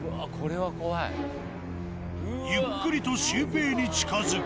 ゆっくりとシュウペイに近づく。